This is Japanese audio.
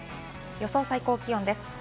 予想最高気温です。